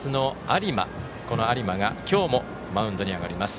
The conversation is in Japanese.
有馬が、今日もマウンドに上がります。